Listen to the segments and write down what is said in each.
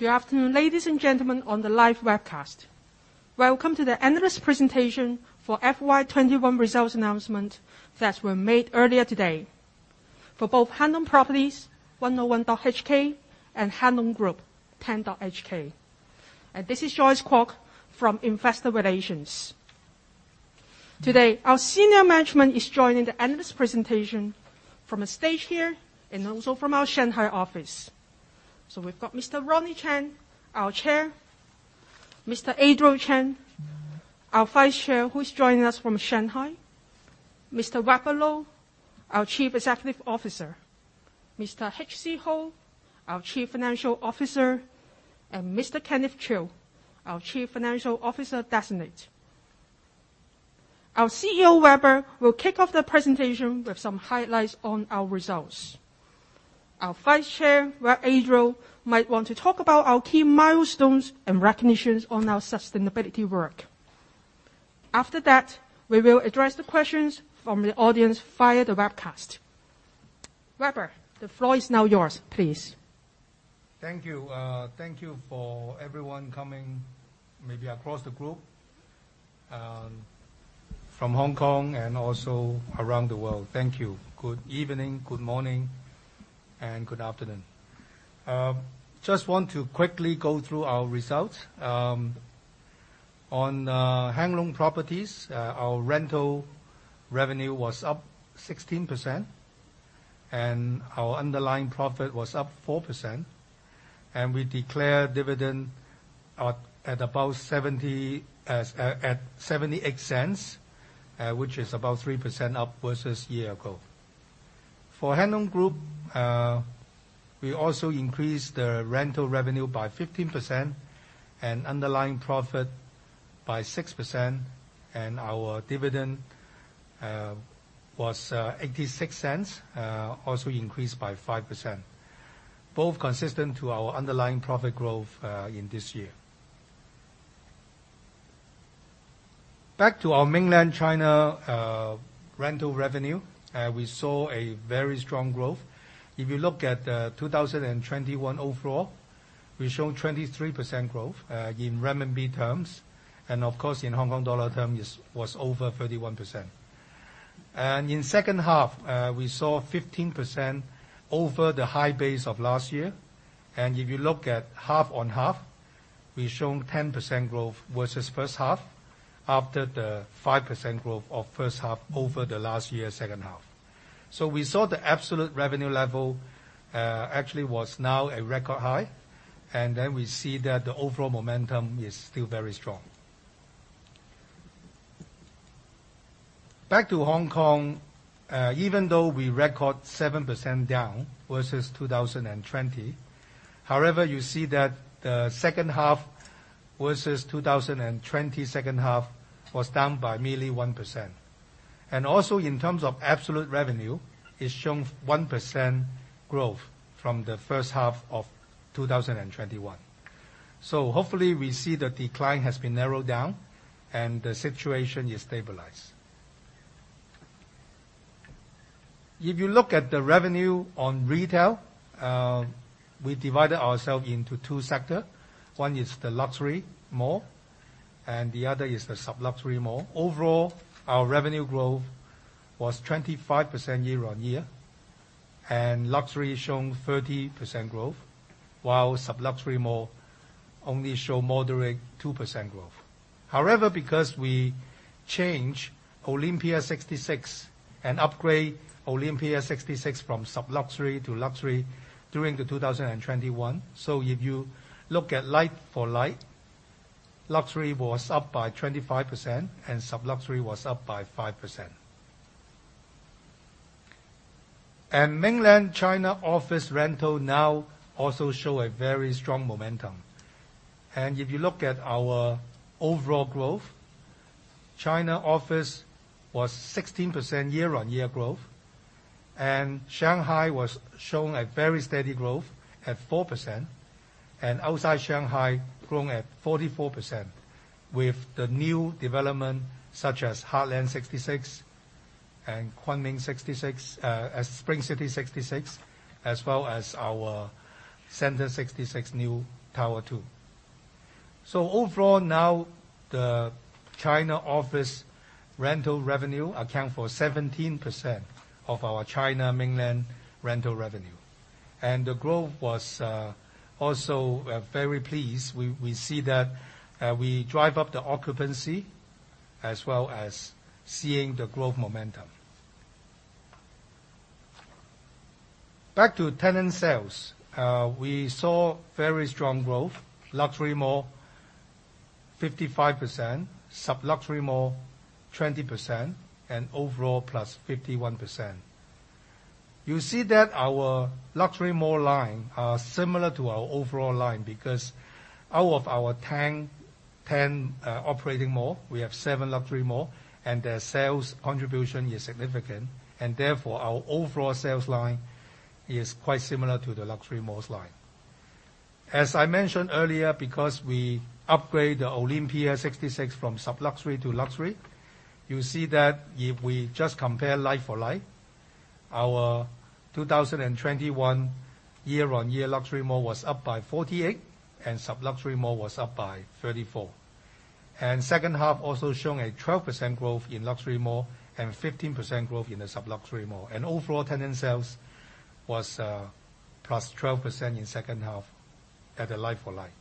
Good afternoon, ladies and gentlemen, on the live webcast. Welcome to the analyst presentation for FY 2021 results announcement that were made earlier today for both Hang Lung Properties, 101.hk, and Hang Lung Group, 10.hk. This is Joyce Kwock from Investor Relations. Today, our senior management is joining the analyst presentation from a stage here and also from our Shanghai office. We've got Mr. Ronnie Chan, our Chair, Mr. Adriel Chan, our Vice Chair, who's joining us from Shanghai, Mr. Weber Lo, our Chief Executive Officer, Mr. H.C. Ho, our Chief Financial Officer, and Mr. Kenneth Chiu, our Chief Financial Officer Designate. Our CEO, Weber, will kick off the presentation with some highlights on our results. Our Vice Chair, Adriel, might want to talk about our key milestones and recognitions on our sustainability work. After that, we will address the questions from the audience via the webcast. Weber, the floor is now yours, please. Thank you. Thank you for everyone coming, maybe across the group, from Hong Kong and also around the world. Thank you. Good evening, good morning, and good afternoon. Just want to quickly go through our results. On Hang Lung Properties, our rental revenue was up 16%, and our underlying profit was up 4%, and we declare dividend at about HK$0.78, which is about 3% up versus year ago. For Hang Lung Group, we also increased the rental revenue by 15% and underlying profit by 6%, and our dividend was HK$0.86, also increased by 5%, both consistent to our underlying profit growth in this year. Back to our mainland China rental revenue, we saw a very strong growth. If you look at 2021 overall, we show 23% growth in renminbi terms. Of course, in Hong Kong dollar terms, it was over 31%. In second half, we saw 15% over the high base of last year. If you look at half on half, we've shown 10% growth versus first half after the 5% growth of first half over the last year, second half. We saw the absolute revenue level actually was now a record high, and then we see that the overall momentum is still very strong. Back to Hong Kong, even though we record 7% down versus 2020, however, you see that the second half versus 2020 second half was down by merely 1%. Also in terms of absolute revenue, it's shown 1% growth from the first half of 2021. Hopefully we see the decline has been narrowed down and the situation is stabilized. If you look at the revenue on retail, we divided ourselves into two sector. One is the luxury mall, and the other is the sub-luxury mall. Overall, our revenue growth was 25% year-on-year, and luxury showing 30% growth, while sub-luxury mall only show moderate 2% growth. However, because we change Olympia 66 and upgrade Olympia 66 from sub-luxury to luxury during 2021, if you look at like for like, luxury was up by 25% and sub-luxury was up by 5%. Mainland China office rental now also show a very strong momentum. If you look at our overall growth, China office was 16% year-on-year growth, and Shanghai was showing a very steady growth at 4%, and outside Shanghai growing at 44% with the new development such as Heartland 66 and Spring City 66, as well as our Center 66 new Tower 2. Overall now, the China office rental revenue account for 17% of our China mainland rental revenue. The growth was also very pleased. We see that we drive up the occupancy as well as seeing the growth momentum. Back to tenant sales. We saw very strong growth. Luxury mall 55%, sub-luxury mall 20%, and overall +51%. You see that our luxury mall line are similar to our overall line because out of our 10 operating malls, we have 7 luxury malls, and their sales contribution is significant. Therefore, our overall sales line is quite similar to the luxury malls line. As I mentioned earlier, because we upgrade the Olympia 66 from sub-luxury to luxury, you see that if we just compare like for like. Our 2021 year-on-year luxury mall was up by 48, and sub-luxury mall was up by 34. Second half also showing a 12% growth in luxury mall and 15% growth in the sub-luxury mall. Overall tenant sales was plus 12% in second half at a like-for-like.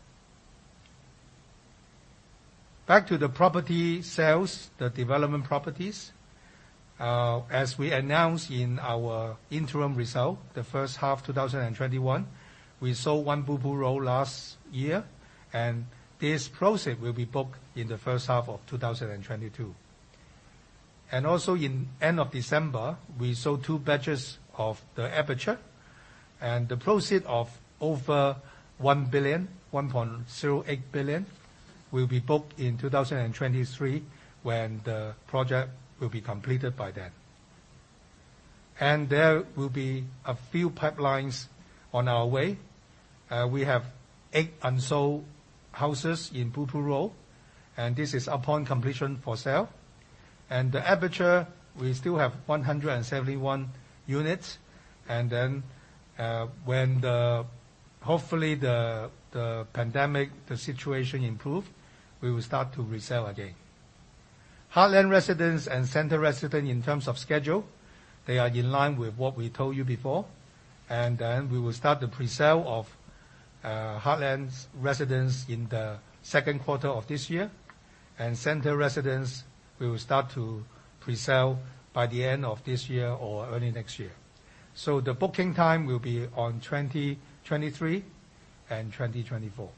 Back to the property sales, the development properties. As we announced in our interim result, the first half 2021, we sold one Blue Pool Road last year, and this proceeds will be booked in the first half of 2022. Also in end of December, we sold two batches of THE APERTURE, and the proceeds of over 1 billion, 1.08 billion will be booked in 2023 when the project will be completed by then. There will be a few pipelines on our way. We have 8 unsold houses in Blue Pool Road, and this is upon completion for sale. THE APERTURE, we still have 171 units. When hopefully the pandemic, the situation improve, we will start to resell again. Heartland Residences and Center Residences in terms of schedule, they are in line with what we told you before. Then we will start the presale of Heartland Residences in the Q2 of this year. Center Residences, we will start to presale by the end of this year or early next year. The booking time will be on 2023 and 2024.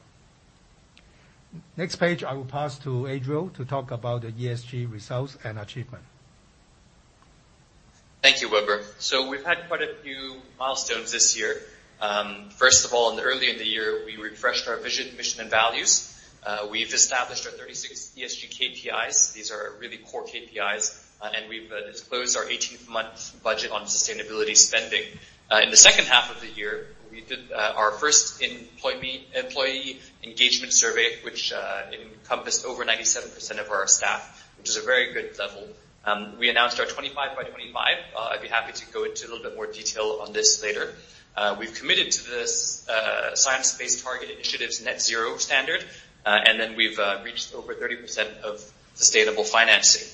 Next page, I will pass to Adriel to talk about the ESG results and achievement. Thank you, Weber. We've had quite a few milestones this year. First of all, early in the year, we refreshed our vision, mission, and values. We've established our 36 ESG KPIs. These are really core KPIs. We've disclosed our 18-month budget on sustainability spending. In the second half of the year, we did our first employee engagement survey, which encompassed over 97% of our staff, which is a very good level. We announced our 25 x 25. I'd be happy to go into a little bit more detail on this later. We've committed to this Science Based Targets initiative net-zero standard. We've reached over 30% of sustainable financing.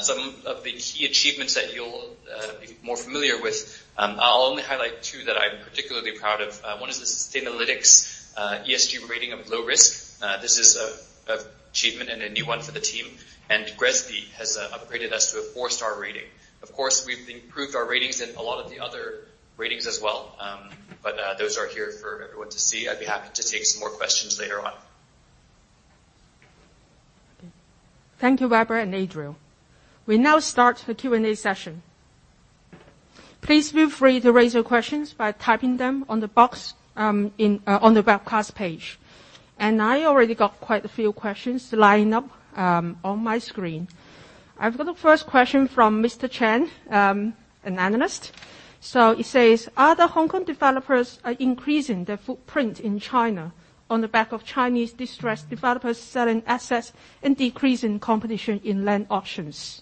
Some of the key achievements that you'll be more familiar with, I'll only highlight two that I'm particularly proud of. One is the Sustainalytics ESG rating of low risk. This is an achievement and a new one for the team. GRESB has upgraded us to a four-star rating. Of course, we've improved our ratings in a lot of the other ratings as well. Those are here for everyone to see. I'd be happy to take some more questions later on. Thank you, Weber and Adriel. We now start the Q&A session. Please feel free to raise your questions by typing them in the box on the webcast page. I already got quite a few questions lined up on my screen. I've got a first question from Mr. Chen, an analyst. He says, "Other Hong Kong developers are increasing their footprint in China on the back of Chinese distressed developers selling assets and decreasing competition in land auctions.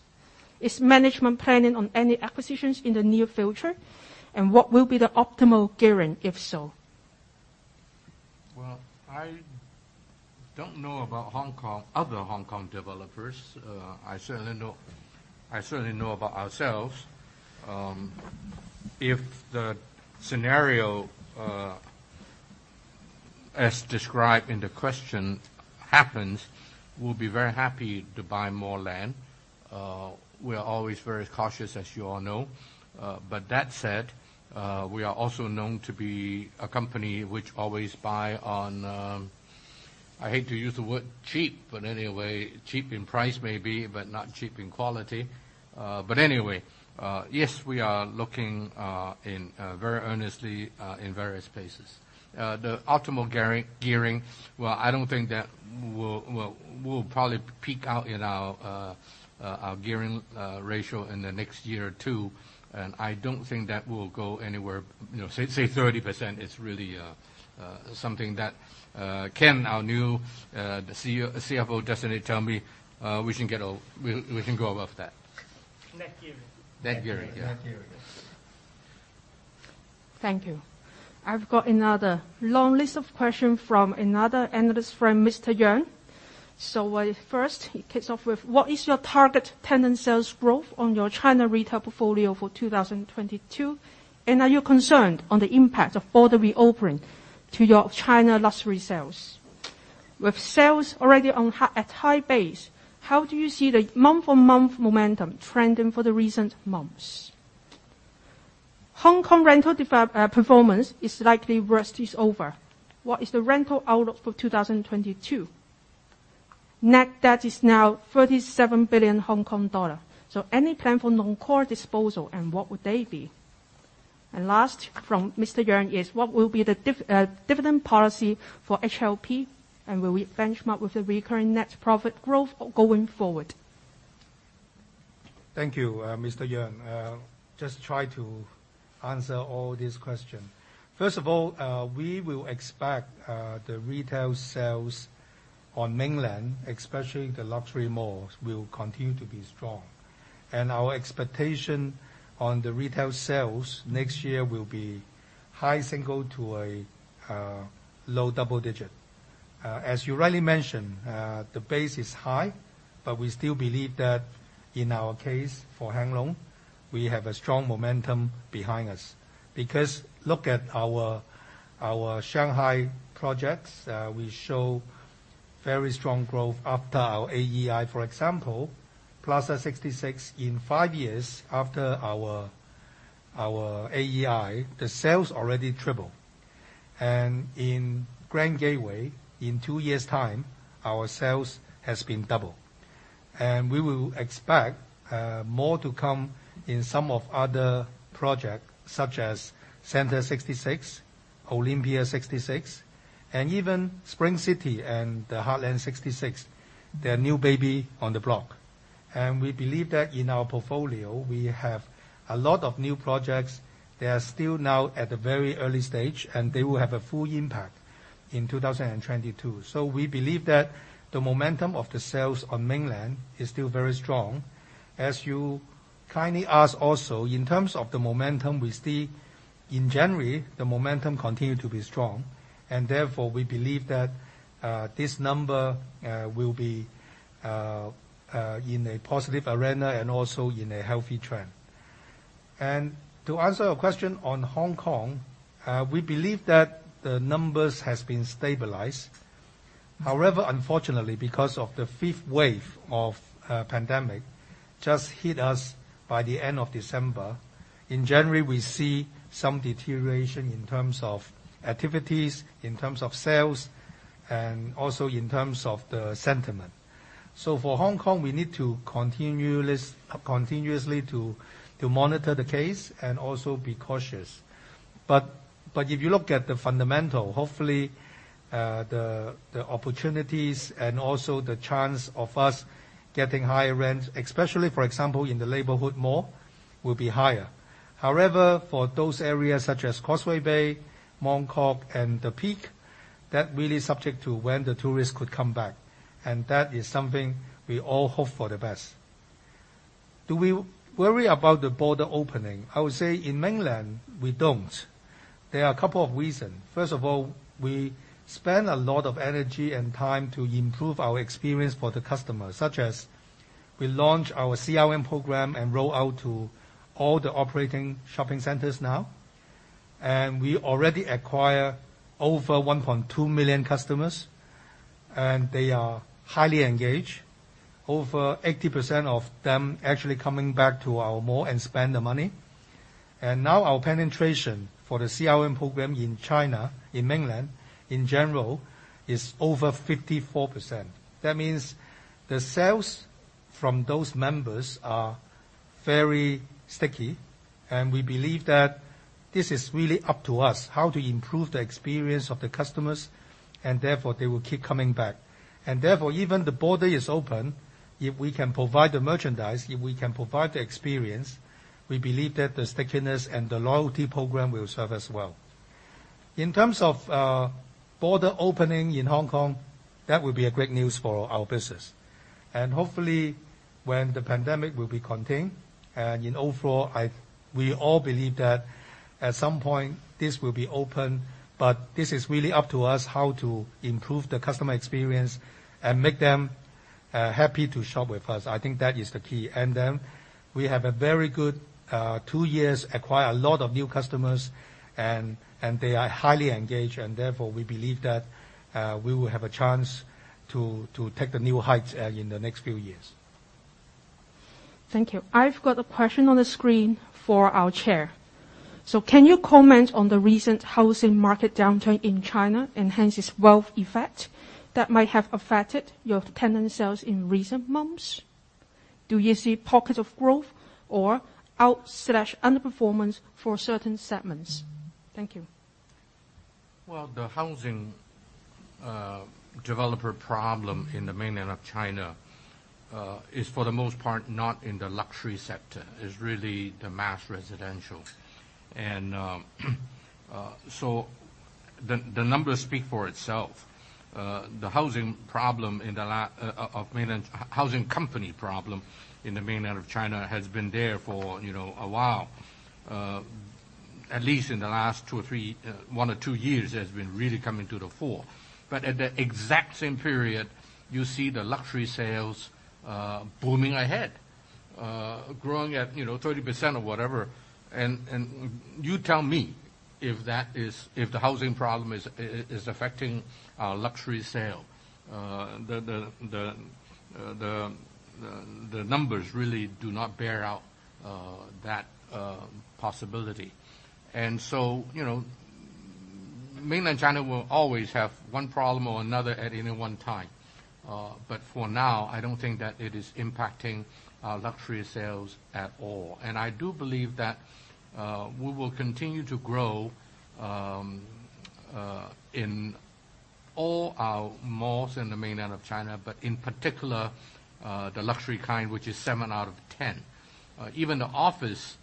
Is management planning on any acquisitions in the near future? And what will be the optimal gearing, if so? Well, I don't know about Hong Kong other Hong Kong developers. I certainly know about ourselves. If the scenario as described in the question happens, we'll be very happy to buy more land. We are always very cautious, as you all know. But that said, we are also known to be a company which always buy on. I hate to use the word cheap, but anyway, cheap in price maybe, but not cheap in quality. But anyway, yes, we are looking in very earnestly in various places. The optimal gearing. Well, I don't think that we'll probably peak out in our gearing ratio in the next year or two. I don't think that will go anywhere say 30% is really something that Ken, our new CFO designate tell me we can go above that. Net gearing. Net gearing, yeah. Net gearing. Thank you. I've got another long list of questions from another analyst friend, Mr. Young. First he kicks off with, what is your target tenant sales growth on your China retail portfolio for 2022? And are you concerned on the impact of border reopening to your China luxury sales? With sales already on high, at high base, how do you see the month-on-month momentum trending for the recent months? Hong Kong rental development performance is likely the worst is over. What is the rental outlook for 2022? Net debt is now 37 billion Hong Kong dollar. Any plan for non-core disposal and what would they be? Last from Mr. Young is, what will be the dividend policy for HLP, and will we benchmark with the recurring net profit growth going forward? Thank you, Mr. Young. Just try to answer all these questions. First of all, we will expect the retail sales on Mainland, especially the luxury malls, will continue to be strong. Our expectation on the retail sales next year will be high single- to low double-digit. As you rightly mentioned, the base is high, but we still believe that in our case, for Hang Lung, we have a strong momentum behind us. Because look at our Shanghai projects. We show very strong growth after our AEI. For example, Plaza 66 in five years after our AEI, the sales already triple. In Grand Gateway, in two years' time, our sales has been double. We will expect more to come in some of other projects, such as Center 66, Olympia 66, and even Spring City and the Heartland 66, their new baby on the block. We believe that in our portfolio, we have a lot of new projects. They are still now at the very early stage, and they will have a full impact in 2022. We believe that the momentum of the sales on Mainland is still very strong. As you kindly asked also, in terms of the momentum we see, in January, the momentum continued to be strong, and therefore we believe that this number will be in a positive arena and also in a healthy trend. To answer your question on Hong Kong, we believe that the numbers has been stabilized. However, unfortunately, because of the fifth wave of pandemic just hit us by the end of December, in January we see some deterioration in terms of activities, in terms of sales, and also in terms of the sentiment. For Hong Kong, we need continuously to monitor the case and also be cautious. If you look at the fundamental, hopefully, the opportunities and also the chance of us getting higher rents, especially for example, in the neighborhood mall, will be higher. However, for those areas such as Causeway Bay, Mong Kok, and The Peak, that really is subject to when the tourists could come back. That is something we all hope for the best. Do we worry about the border opening? I would say in Mainland, we don't. There are a couple of reasons. First of all, we spend a lot of energy and time to improve our experience for the customer, such as we launch our CRM program and roll out to all the operating shopping centers now. We already acquire over 1.2 million customers, and they are highly engaged. Over 80% of them actually coming back to our mall and spend the money. Now our penetration for the CRM program in China, in Mainland, in general, is over 54%. That means the sales from those members are very sticky, and we believe that this is really up to us, how to improve the experience of the customers, and therefore they will keep coming back. Therefore, even the border is open, if we can provide the merchandise, if we can provide the experience, we believe that the stickiness and the loyalty program will serve us well. In terms of border opening in Hong Kong, that would be a great news for our business. Hopefully, when the pandemic will be contained, and overall, we all believe that at some point this will be open. This is really up to us how to improve the customer experience and make them happy to shop with us. I think that is the key. We have a very good two years, acquire a lot of new customers, and they are highly engaged, and therefore we believe that we will have a chance to take the new heights in the next few years. Thank you. I've got a question on the screen for our chair. Can you comment on the recent housing market downturn in China and hence its wealth effect that might have affected your tenant sales in recent months? Do you see pockets of growth or out/underperformance for certain segments? Thank you. Well, the housing developer problem in mainland China is for the most part not in the luxury sector. It's really the mass residential. The numbers speak for itself. The housing company problem in mainland China has been there for a while. At least in the last 2 or 3, 1-2 years, it has been really coming to the fore. At the exact same period, you see the luxury sales booming ahead, growing at 30% or whatever. You tell me if the housing problem is affecting our luxury sale. The numbers really do not bear out that possibility. Mainland China will always have one problem or another at any one time. But for now, I don't think that it is impacting our luxury sales at all. I do believe that we will continue to grow in all our malls in the Mainland of China, but in particular, the luxury kind, which is seven out of ten. Even the office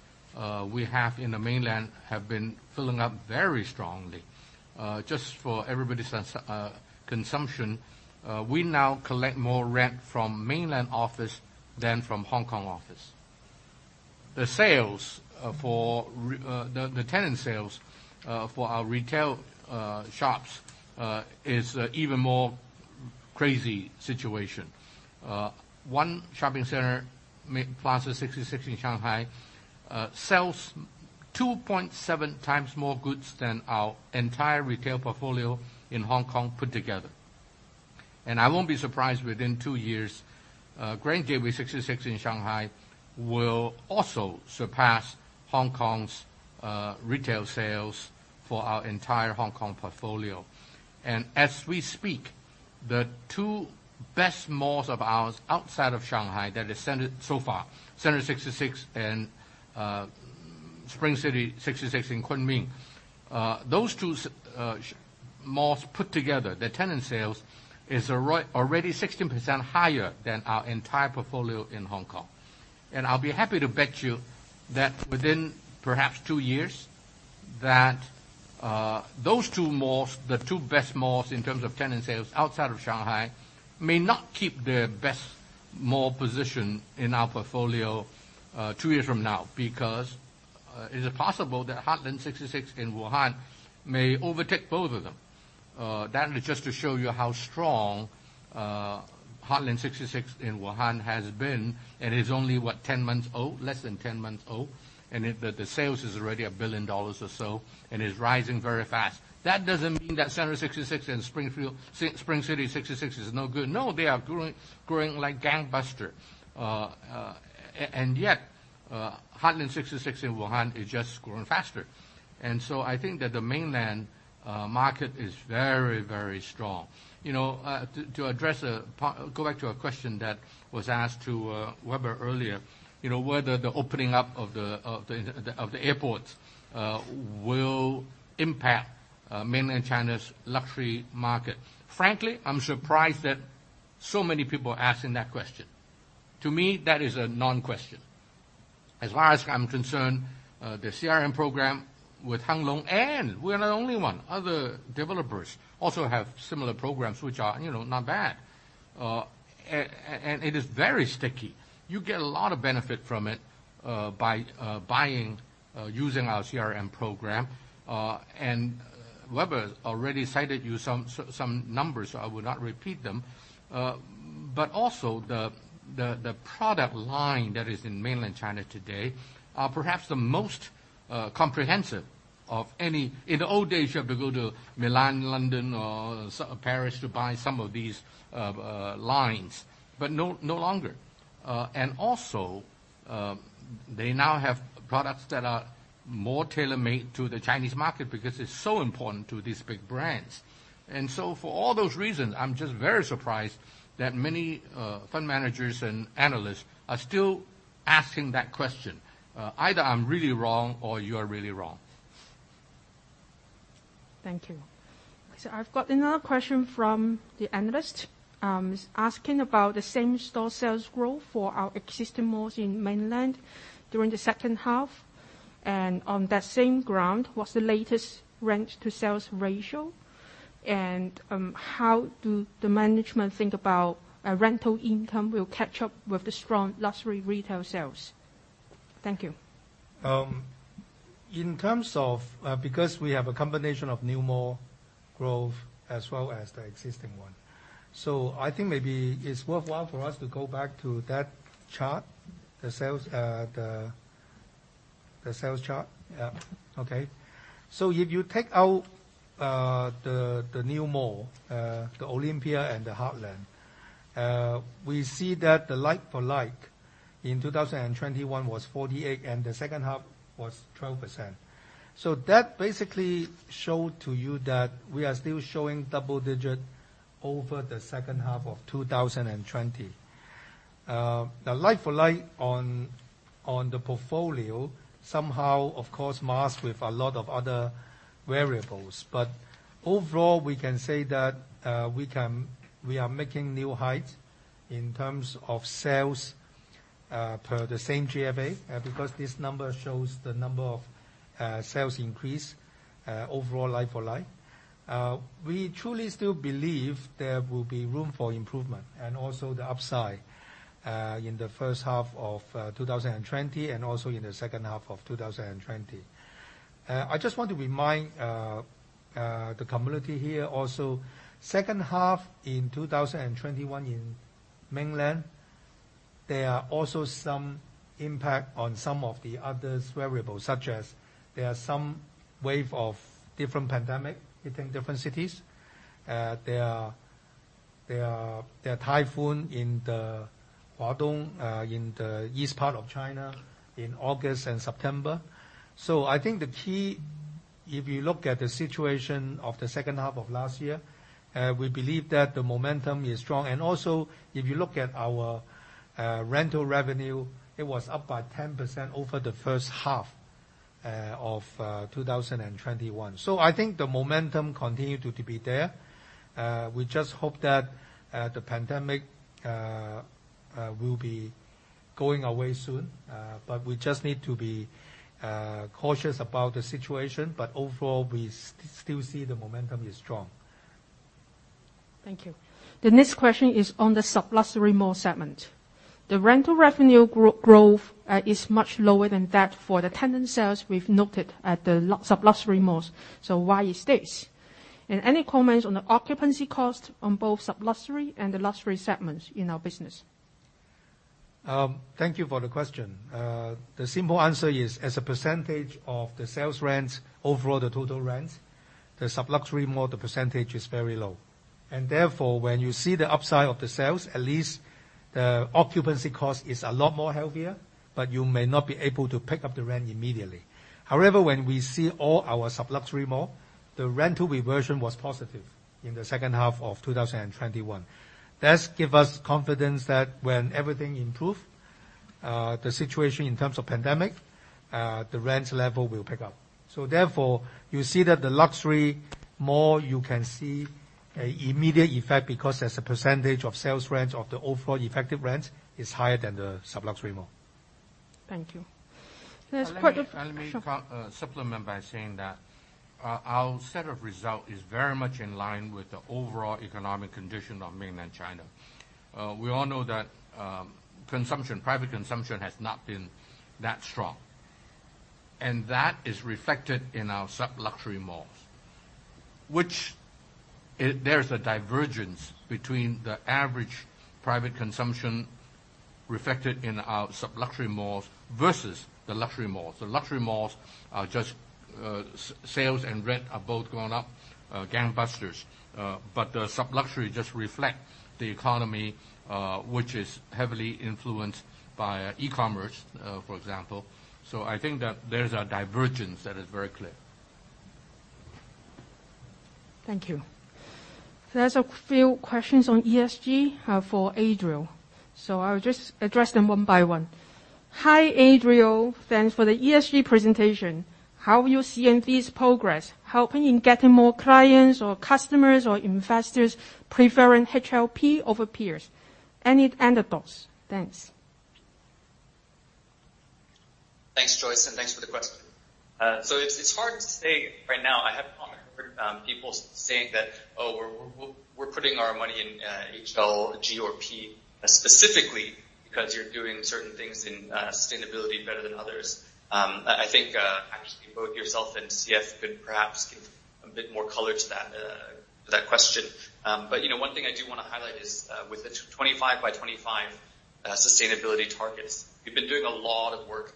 We have in the mainland been filling up very strongly. Just for everybody's consumption, we now collect more rent from mainland office than from Hong Kong office. The tenant sales for our retail shops is even more crazy situation. One shopping center, Plaza 66 in Shanghai, sells 2.7 times more goods than our entire retail portfolio in Hong Kong put together. I won't be surprised within two years, Grand Gateway 66 in Shanghai will also surpass Hong Kong's retail sales for our entire Hong Kong portfolio. As we speak, the two best malls of ours outside of Shanghai, so far, Center 66 and Spring City 66 in Kunming. Those two malls put together, the tenant sales is already 16% higher than our entire portfolio in Hong Kong. I'll be happy to bet you that within perhaps two years, that, those two malls, the two best malls in terms of tenant sales outside of Shanghai, may not keep their best mall position in our portfolio, two years from now. Is it possible that Heartland 66 in Wuhan may overtake both of them? That is just to show you how strong Heartland 66 in Wuhan has been and is only, what? 10 months old, less than 10 months old, and the sales is already 1 billion dollars or so and is rising very fast. That doesn't mean that Center 66 and Spring City 66 is no good. No, they are growing like gangbusters. Yet, Heartland 66 in Wuhan is just growing faster. I think that the mainland market is very strong. To go back to a question that was asked to Weber earlier whether the opening up of the airports will impact mainland China's luxury market. Frankly, I'm surprised that so many people are asking that question. To me, that is a non-question. As far as I'm concerned, the CRM program with Hang Lung, and we're not the only one, other developers also have similar programs which are not bad. It is very sticky. You get a lot of benefit from it by using our CRM program. Weber already cited you some numbers. I would not repeat them. The product line that is in mainland China today are perhaps the most comprehensive of any. In the old days, you have to go to Milan, London or Paris to buy some of these lines, but no longer. They now have products that are more tailor-made to the Chinese market because it's so important to these big brands. For all those reasons, I'm just very surprised that many fund managers and analysts are still asking that question. Either I'm really wrong or you're really wrong. Thank you. I've got another question from the analyst is asking about the same-store sales growth for our existing malls in mainland during the second half. On that same ground, what's the latest rent to sales ratio? How do the management think about a rental income will catch up with the strong luxury retail sales? Thank you. In terms of, because we have a combination of new mall growth as well as the existing one. I think maybe it's worthwhile for us to go back to that chart, the sales chart. Yeah. Okay. If you take out the new mall, the Olympia and the Heartland, we see that the like-for-like in 2021 was 48, and the second half was 12%. That basically show to you that we are still showing double digit over the second half of 2020. The like-for-like on the portfolio somehow of course masked with a lot of other variables. Overall, we can say that we are making new heights in terms of sales per the same GFA, because this number shows the number of sales increase overall like-for-like. We truly still believe there will be room for improvement and also the upside in the first half of 2020 and also in the second half of 2020. I just want to remind the community here also. Second half in 2021 in mainland, there are also some impact on some of the other variables, such as there are some wave of different pandemic hitting different cities. There are typhoon in the Guangdong in the east part of China in August and September. I think the key, if you look at the situation of the second half of last year, we believe that the momentum is strong. If you look at our rental revenue, it was up by 10% over the first half. End of 2021. I think the momentum continued to be there. We just hope that the pandemic will be going away soon. We just need to be cautious about the situation. Overall, we still see the momentum is strong. Thank you. The next question is on the sub-luxury mall segment. The rental revenue growth is much lower than that for the tenant sales we've noted at the sub-luxury malls. Why is this? And any comments on the occupancy cost on both sub-luxury and the luxury segments in our business? Thank you for the question. The simple answer is, as a percentage of the sales rent, overall the total rent, the sub-luxury mall, the percentage is very low. Therefore, when you see the upside of the sales, at least the occupancy cost is a lot more healthier, but you may not be able to pick up the rent immediately. However, when we see all our sub-luxury mall, the rental reversion was positive in the second half of 2021. That give us confidence that when everything improve, the situation in terms of pandemic, the rent level will pick up. Therefore, you see that the luxury mall, you can see a immediate effect because as a percentage of sales rent of the overall effective rent is higher than the sub-luxury mall. Thank you. Let me supplement by saying that our set of results is very much in line with the overall economic condition of mainland China. We all know that consumption, private consumption has not been that strong, and that is reflected in our sub-luxury malls. There's a divergence between the average private consumption reflected in our sub-luxury malls versus the luxury malls. The luxury malls are just sales and rent are both going up gangbusters. The sub-luxury just reflect the economy, which is heavily influenced by e-commerce, for example. I think that there's a divergence that is very clear. Thank you. There's a few questions on ESG for Adriel, so I'll just address them one by one. Hi, Adriel. Thanks for the ESG presentation. How do you see this progress helping in getting more clients or customers or investors preferring HLP over peers? Any anecdotes? Thanks. Thanks, Joyce, and thanks for the question. It's hard to say right now. I haven't heard people saying that, "Oh, we're putting our money in HLG or HLP specifically because you're doing certain things in sustainability better than others." I think actually both yourself and CF could perhaps give a bit more color to that question. One thing I do want to highlight is with the 25 x 25 sustainability targets, we've been doing a lot of work.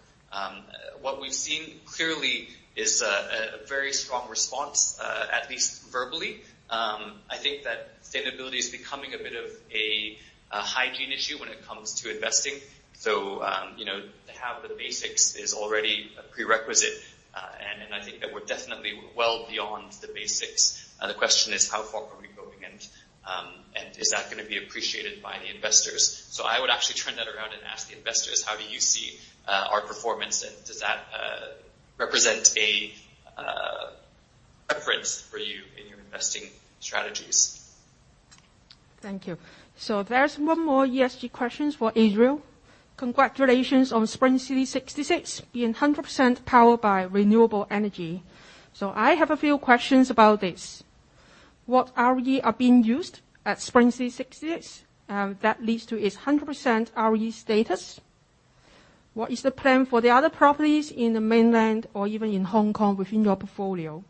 What we've seen clearly is a very strong response, at least verbally. I think that sustainability is becoming a bit of a hygiene issue when it comes to investing. To have the basics is already a prerequisite. I think that we're definitely well beyond the basics. The question is how far are we going, and is that going to be appreciated by the investors? I would actually turn that around and ask the investors, "How do you see our performance, and does that represent a preference for you in your investing strategies? Thank you. There's one more ESG question for Adriel. Congratulations on Spring City 66 being 100% powered by renewable energy. I have a few questions about this. What RE are being used at Spring City 66 that leads to its 100% RE status? What is the plan for the other properties in the mainland or even in Hong Kong within your portfolio?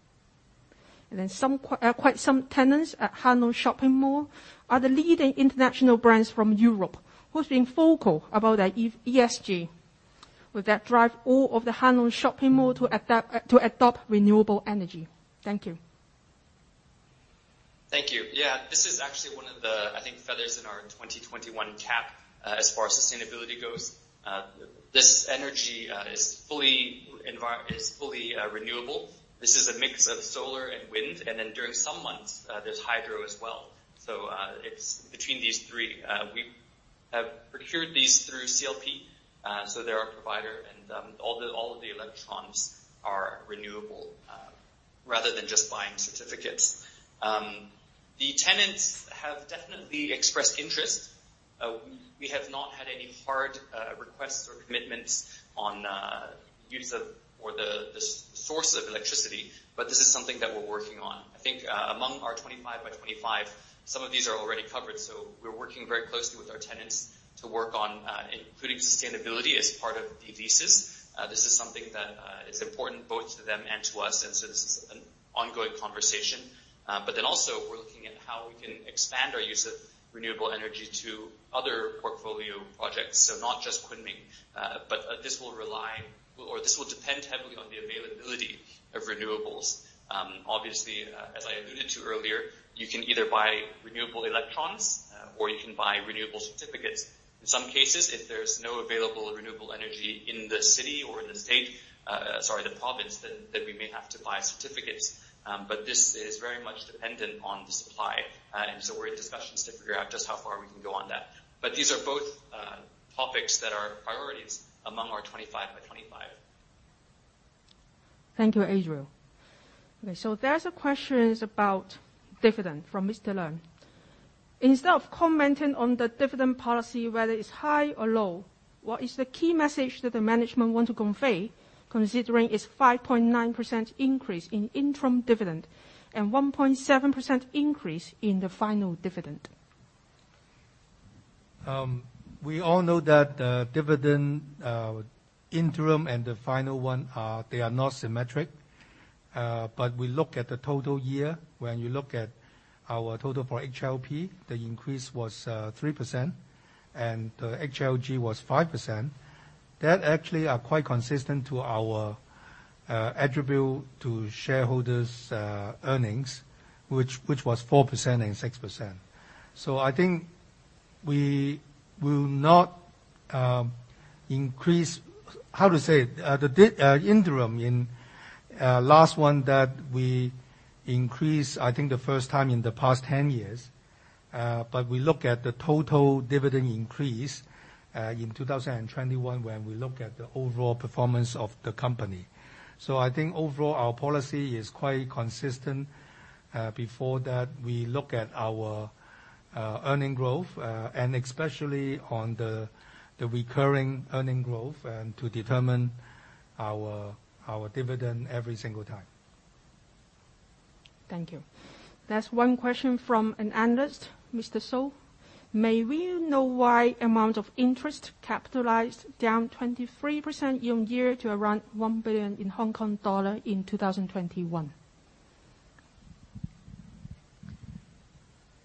Quite some tenants at Hang Lung Shopping Mall are the leading international brands from Europe who's been vocal about their ESG. Will that drive all of the Hang Lung Shopping Mall to adopt renewable energy? Thank you. Thank you. Yeah. This is actually one of the, I think, feathers in our 2021 cap, as far as sustainability goes. This energy is fully renewable. This is a mix of solar and wind, and then during some months, there's hydro as well. It's between these three. We have procured these through CLP, so they're our provider. All of the electrons are renewable, rather than just buying certificates. The tenants have definitely expressed interest. We have not had any hard requests or commitments on use of or the source of electricity, but this is something that we're working on. I think, among our 25 x 25, some of these are already covered, so we're working very closely with our tenants to work on including sustainability as part of the leases. This is something that is important both to them and to us, and so this is an ongoing conversation. We're looking at how we can expand our use of renewable energy to other portfolio projects, so not just Kunming. This will rely or this will depend heavily on the availability of renewables. Obviously, as I alluded to earlier, you can either buy renewable electrons, or you can buy renewable certificates. In some cases, if there's no available renewable energy in the city or in the state, sorry, the province, then we may have to buy certificates. This is very much dependent on the supply. We're in discussions to figure out just how far we can go on that. These are both topics that are priorities among our 25 x 25. Thank you, Adriel. Okay, there's questions about dividend from Mr. Leung. Instead of commenting on the dividend policy, whether it's high or low, what is the key message that the management want to convey considering its 5.9% increase in interim dividend and 1.7% increase in the final dividend? We all know that the dividend, interim and the final one, they are not symmetric. We look at the total year. When you look at our total for HLP, the increase was 3%, and the HLG was 5%. That actually are quite consistent to our attributable to shareholders earnings, which was 4% and 6%. I think we will not increase the interim. In the last one that we increased, I think the first time in the past 10 years. We look at the total dividend increase in 2021 when we look at the overall performance of the company. I think overall, our policy is quite consistent. Before that, we look at our earnings growth and especially on the recurring earnings growth and to determine our dividend every single time. Thank you. There's one question from an analyst, Mr. So. May we know why amount of interest capitalized down 23% year-on-year to around 1 billion in 2021?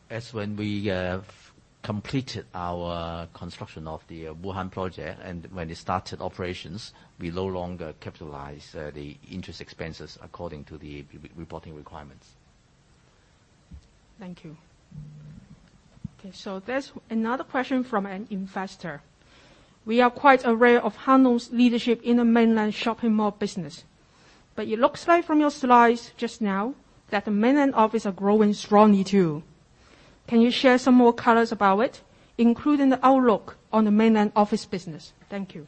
As when we have completed our construction of the Wuhan project and when it started operations, we no longer capitalize the interest expenses according to the reporting requirements. Thank you. Okay, there's another question from an investor. We are quite aware of Hang Lung's leadership in the mainland shopping mall business. It looks like from your slides just now that the mainland offices are growing strongly too. Can you share some more colors about it, including the outlook on the mainland office business? Thank you.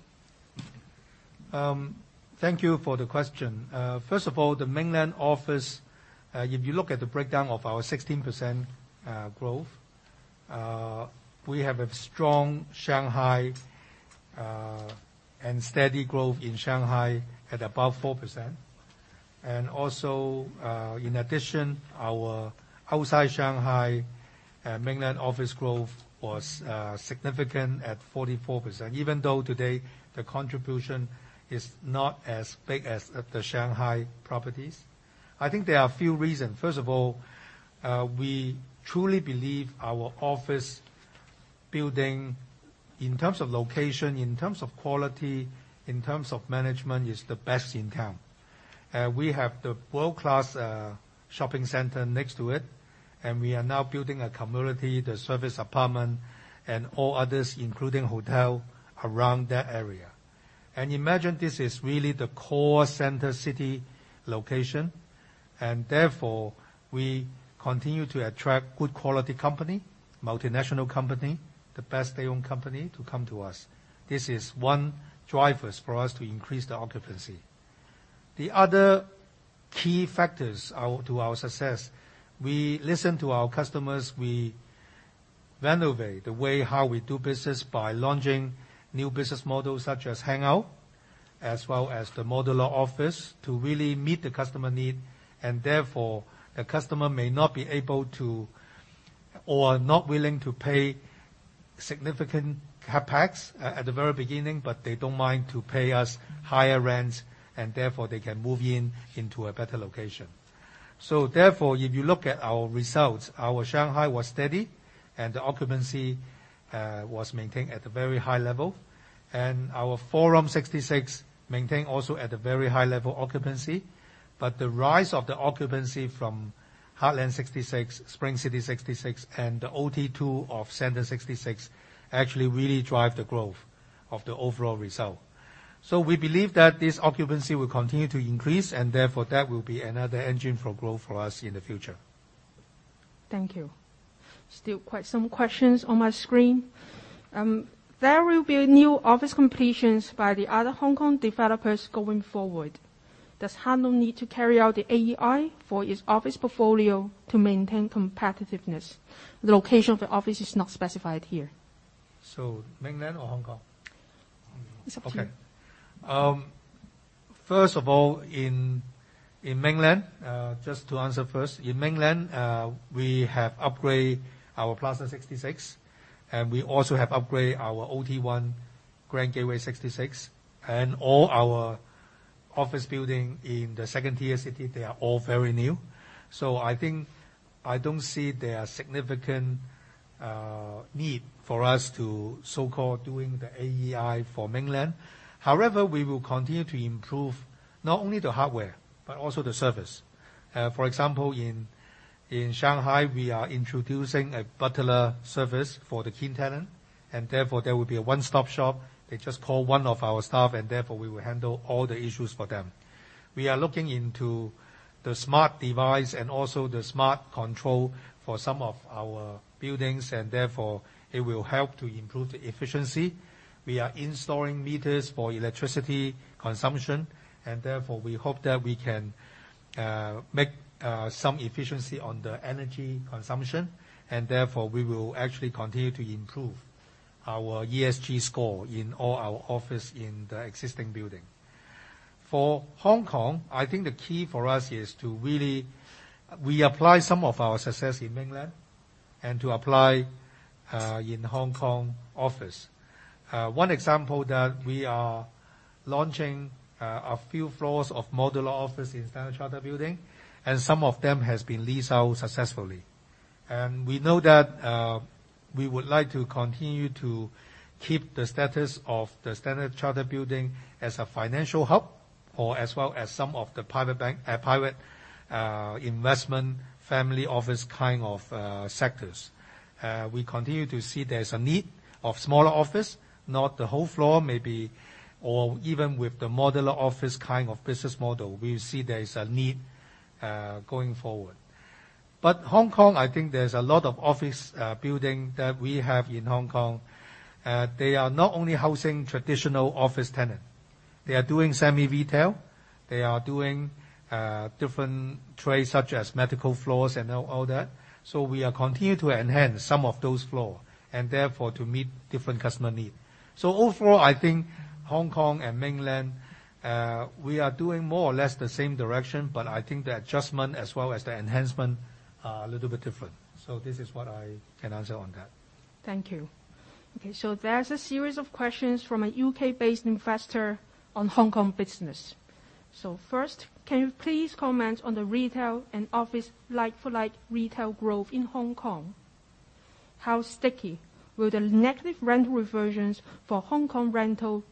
Thank you for the question. First of all, the mainland office, if you look at the breakdown of our 16% growth, we have a strong Shanghai and steady growth in Shanghai at above 4%. In addition, our outside Shanghai mainland office growth was significant at 44%. Even though today the contribution is not as big as the Shanghai properties. I think there are a few reasons. First of all, we truly believe our office building in terms of location, in terms of quality, in terms of management, is the best in town. We have the world-class shopping center next to it, and we are now building a community, the serviced apartment, and all others, including hotel, around that area. Imagine this is really the core center city location, and therefore, we continue to attract good quality company, multinational company, the best Taiwan company to come to us. This is one driver for us to increase the occupancy. The other key factors are to our success. We listen to our customers. We innovate the way how we do business by launching new business models such as HANGOUT, as well as the modular office to really meet the customer need. Therefore, the customer may not be able to or not willing to pay significant CapEx at the very beginning, but they don't mind to pay us higher rents, and therefore they can move in into a better location. Therefore, if you look at our results, our Shanghai was steady and the occupancy was maintained at a very high level. Our Forum 66 maintains also at a very high level occupancy. The rise of the occupancy from Heartland 66, Spring City 66, and the OT 2 of Center 66 actually really drives the growth of the overall result. We believe that this occupancy will continue to increase, and therefore that will be another engine for growth for us in the future. Thank you. Still quite some questions on my screen. There will be new office completions by the other Hong Kong developers going forward. Does Hang Lung need to carry out the AEI for its office portfolio to maintain competitiveness? The location for office is not specified here. Mainland or Hong Kong? It's up to you. First of all, in mainland, just to answer first. In mainland, we have upgrade our Plaza 66, and we also have upgrade our Office Tower 1 Grand Gateway 66. All our office building in the second-tier city, they are all very new. I think I don't see there are significant need for us to so-called doing the AEI for mainland. However, we will continue to improve not only the hardware, but also the service. For example, in Shanghai, we are introducing a butler service for the key tenant. Therefore, there will be a one-stop shop. They just call one of our staff, and therefore we will handle all the issues for them. We are looking into the smart device and also the smart control for some of our buildings, and therefore it will help to improve the efficiency. We are installing meters for electricity consumption, and therefore we hope that we can make some efficiency on the energy consumption. We will actually continue to improve our ESG score in all our office in the existing building. For Hong Kong, I think the key for us is to really reapply some of our success in mainland and to apply in Hong Kong office. One example that we are launching a few floors of modular office in Standard Chartered Building, and some of them has been leased out successfully. We know that we would like to continue to keep the status of the Standard Chartered Building as a financial hub or as well as some of the private investment family office kind of sectors. We continue to see there's a need of smaller office, not the whole floor, maybe, or even with the modular office kind of business model. We see there is a need, going forward. Hong Kong, I think there's a lot of office, building that we have in Hong Kong. They are not only housing traditional office tenant. They are doing semi retail. They are doing different trades, such as medical floors and all that. We are continue to enhance some of those floor, and therefore to meet different customer need. Overall, I think Hong Kong and Mainland, we are doing more or less the same direction, but I think the adjustment as well as the enhancement are a little bit different. This is what I can answer on that. Thank you. Okay, so there's a series of questions from a U.K.-based investor on Hong Kong business. First, can you please comment on the retail and office like-for-like retail growth in Hong Kong? How sticky will the negative rental reversions for Hong Kong retail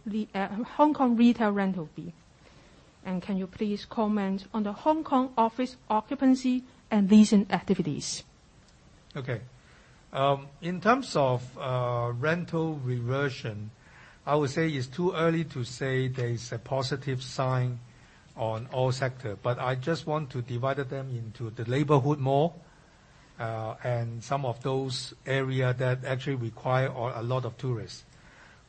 rental be? And can you please comment on the Hong Kong office occupancy and leasing activities? Okay. In terms of rental reversion, I would say it's too early to say there is a positive sign on all sector. I just want to divided them into the neighborhood mall and some of those area that actually require a lot of tourists.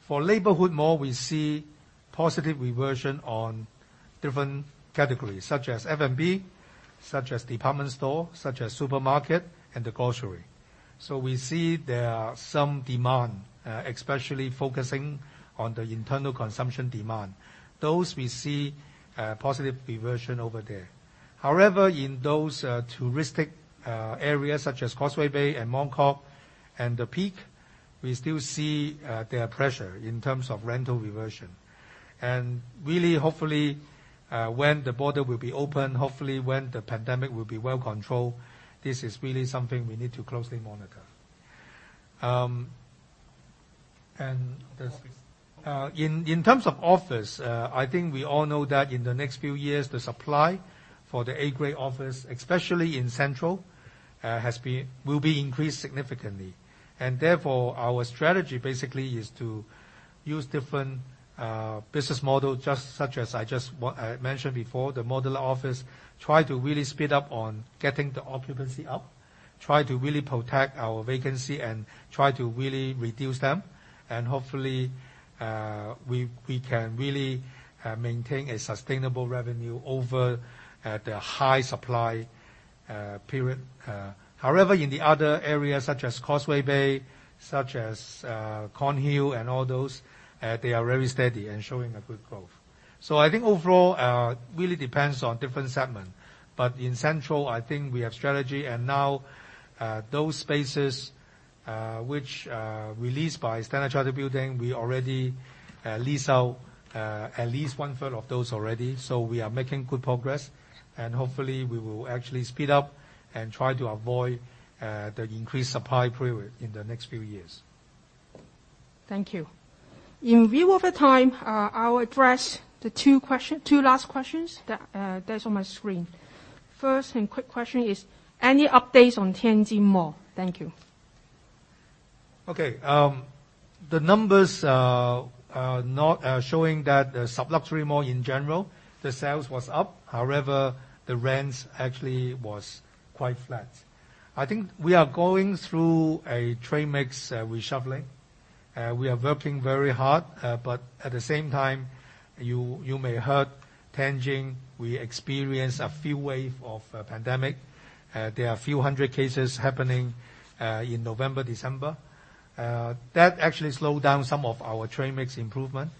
For neighborhood mall, we see positive reversion on different categories, such as F&B, such as department store, such as supermarket and the grocery. We see there are some demand, especially focusing on the internal consumption demand. Those we see positive reversion over there. However, in those touristic areas such as Causeway Bay and Mong Kok and The Peak, we still see their pressure in terms of rental reversion. Really, hopefully, when the border will be open, hopefully when the pandemic will be well controlled, this is really something we need to closely monitor. Um, and there's- Office. In terms of office, I think we all know that in the next few years, the supply for the Grade A office, especially in Central, will be increased significantly. Therefore, our strategy basically is to use different business model, such as I just mentioned before, the modular office, try to really speed up on getting the occupancy up, try to really protect our vacancy and try to really reduce them. Hopefully, we can really maintain a sustainable revenue over the high supply period. However, in the other areas such as Causeway Bay, such as Kornhill and all those, they are very steady and showing a good growth. I think overall, really depends on different segment. In Central, I think we have a strategy and now those spaces, which are released by Standard Chartered Bank Building, we already lease out at least one-third of those already. We are making good progress, and hopefully we will actually speed up and try to avoid the increased supply period in the next few years. Thank you. In view of the time, I'll address the two last questions that there's on my screen. First and quick question is, any updates on Tianjin Mall? Thank you. Okay. The numbers are not showing that the sub-luxury mall in general, the sales was up. The rents actually was quite flat. I think we are going through a trade mix reshuffling. We are working very hard, but at the same time, you may heard Tianjin, we experience a few wave of pandemic. There are a few hundred cases happening in November, December. That actually slowed down some of our trade mix improvement.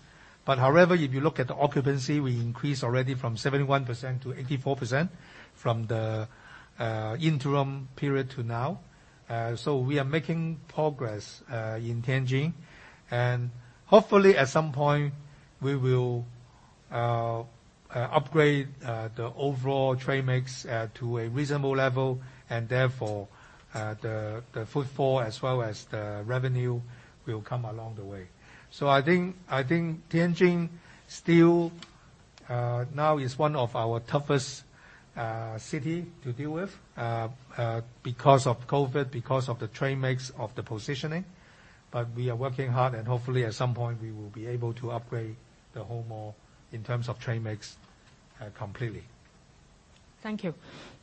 If you look at the occupancy, we increased already from 71% to 84% from the interim period to now. We are making progress in Tianjin. Hopefully, at some point, we will upgrade the overall trade mix to a reasonable level, and therefore, the footfall as well as the revenue will come along the way. I think Tianjin still- Now is one of our toughest city to deal with, because of COVID, because of the trade mix of the positioning. We are working hard, and hopefully at some point we will be able to upgrade the whole mall in terms of trade mix, completely. Thank you.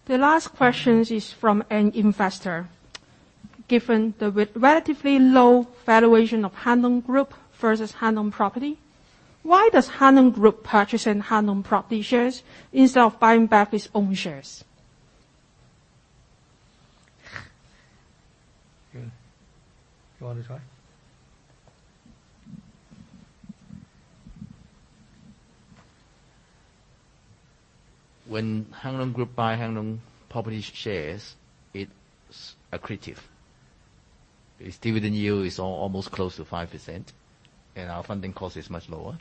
The last question is from an investor. Given the relatively low valuation of Hang Lung Group versus Hang Lung Properties, why is Hang Lung Group purchasing Hang Lung Properties shares instead of buying back its own shares? Good. You want to try? When Hang Lung Group buy Hang Lung Properties shares, it's accretive. Its dividend yield is almost close to 5%, and our funding cost is much lower.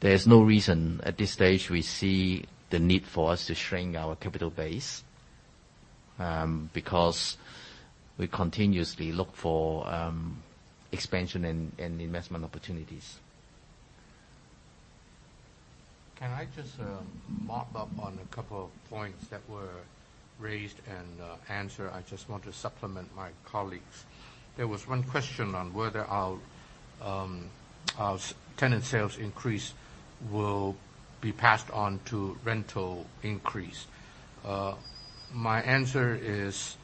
There's no reason at this stage we see the need for us to shrink our capital base, because we continuously look for expansion and investment opportunities. Can I just mop up on a couple of points that were raised and answered? I just want to supplement my colleagues. There was one question on whether our tenant sales increase will be passed on to rental increase. My answer is,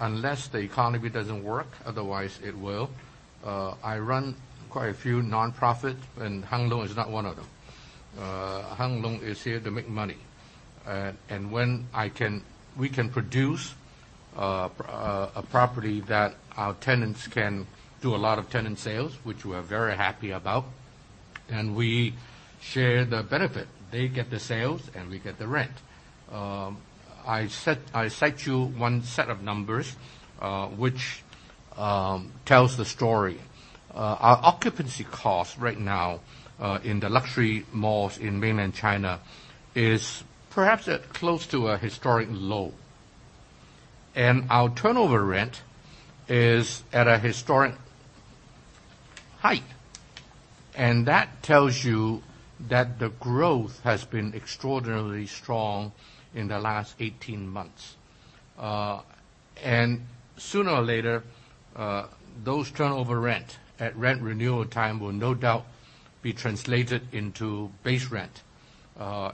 unless the economy doesn't work, otherwise it will. I run quite a few nonprofits, and Hang Lung is not one of them. Hang Lung is here to make money. When we can produce a property that our tenants can do a lot of tenant sales, which we are very happy about, and we share the benefit. They get the sales, and we get the rent. I cite you one set of numbers, which tells the story. Our occupancy cost right now in the luxury malls in Mainland China is perhaps at close to a historic low. Our turnover rent is at a historic height, and that tells you that the growth has been extraordinarily strong in the last 18 months. Sooner or later, those turnover rent at rent renewal time will no doubt be translated into base rent.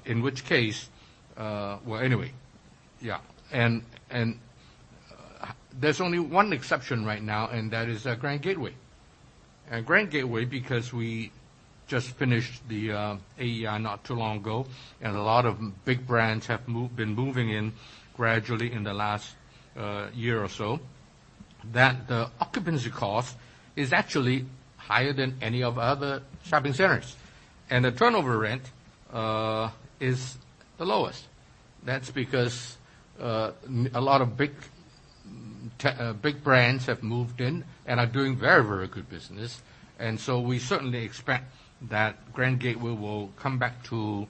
In which case, well, anyway, yeah. There's only one exception right now, and that is Grand Gateway. At Grand Gateway, because we just finished the AEI not too long ago, and a lot of big brands have been moving in gradually in the last year or so, that the occupancy cost is actually higher than any of our other shopping centers. The turnover rent is the lowest. That's because a lot of big brands have moved in and are doing very good business. We certainly expect that Grand Gateway will come back to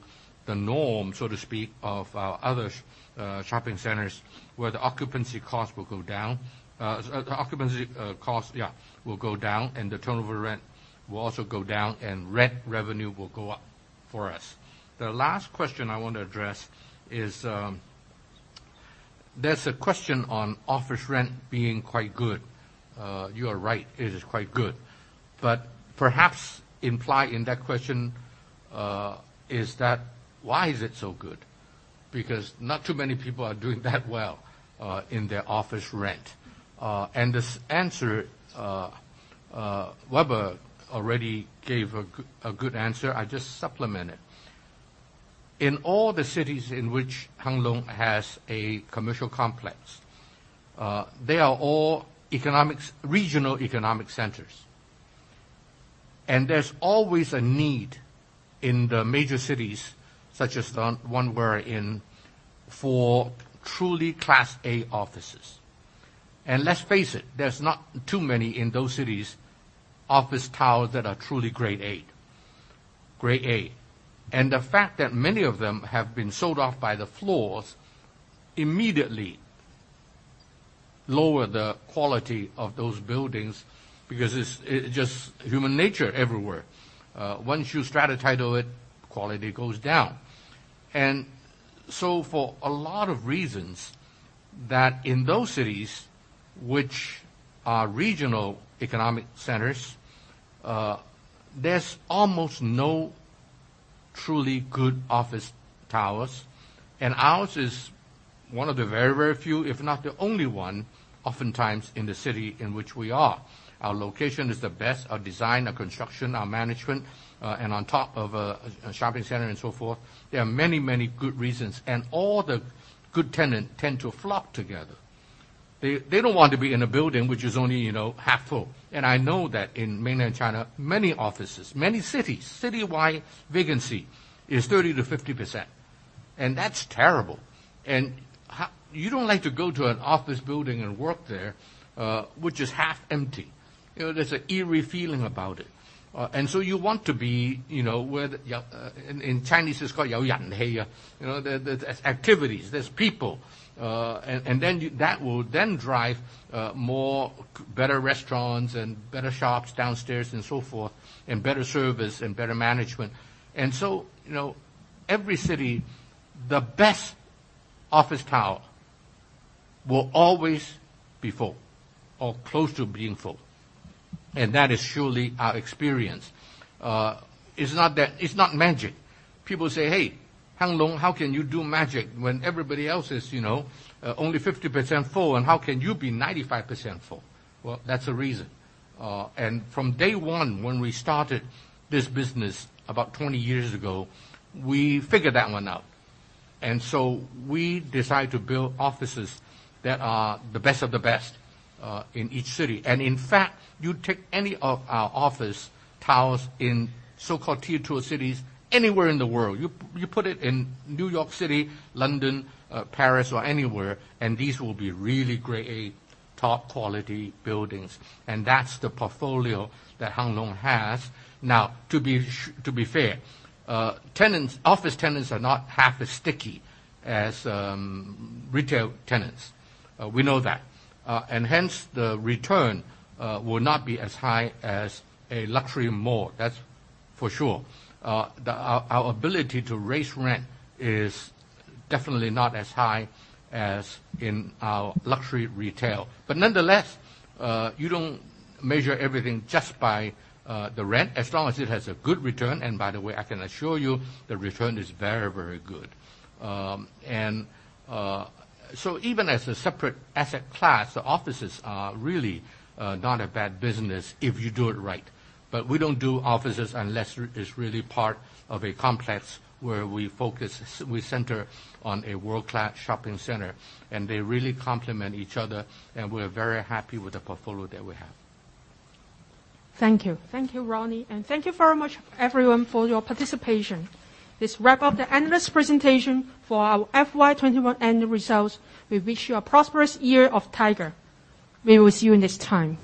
the norm, so to speak, of our other shopping centers, where the occupancy cost will go down. The occupancy cost will go down, and the turnover rent will also go down, and rent revenue will go up for us. The last question I want to address is there's a question on office rent being quite good. You are right. It is quite good. Perhaps implied in that question is that, why is it so good? Because not too many people are doing that well in their office rent. This answer Weber already gave a good answer. I just supplement it. In all the cities in which Hang Lung has a commercial complex, they are all regional economic centers. There's always a need in the major cities, such as the one we're in, for truly Class A offices. Let's face it, there's not too many in those cities, office towers that are truly Grade A. The fact that many of them have been sold off by the floors immediately lowers the quality of those buildings because it's just human nature everywhere. Once you strata title it, quality goes down. For a lot of reasons that in those cities which are regional economic centers, there's almost no truly good office towers, and ours is one of the very few, if not the only one, oftentimes in the city in which we are. Our location is the best. Our design, our construction, our management, and on top of, shopping center and so forth, there are many, many good reasons. All the good tenant tend to flock together. They don't want to be in a building which is only half full. I know that in Mainland China, many offices, many cities, citywide vacancy is 30%-50%, and that's terrible. You don't like to go to an office building and work there, which is half empty. There's an eerie feeling about it. You want to be where the, in Chinese it's called there's activities. There's people. That will then drive better restaurants and better shops downstairs and so forth, and better service and better management. Every city, the best office tower will always be full or close to being full. That is surely our experience. It's not that. It's not magic. People say, "Hey, Hang Lung, how can you do magic when everybody else is only 50% full, and how can you be 95% full?" Well, that's the reason. From day one, when we started this business about 20 years ago, we figured that one out. We decided to build offices that are the best of the best in each city. In fact, you take any of our office towers in so-called tier-two cities anywhere in the world, you put it in New York City, London, Paris, or anywhere, and these will be really great top quality buildings. That's the portfolio that Hang Lung has. Now, to be fair, tenants, office tenants are not half as sticky as, retail tenants. We know that. Hence, the return will not be as high as a luxury mall. That's for sure. Our ability to raise rent is definitely not as high as in our luxury retail. Nonetheless, you don't measure everything just by, the rent, as long as it has a good return. By the way, I can assure you, the return is very good. Even as a separate asset class, the offices are really, not a bad business if you do it right. We don't do offices unless it's really part of a complex where we focus, we center on a world-class shopping center. They really complement each other, and we're very happy with the portfolio that we have. Thank you. Thank you, Ronnie. Thank you very much everyone for your participation. This wraps up the analyst presentation for our FY 2021 annual results. We wish you a prosperous Year of Tiger. We will see you next time.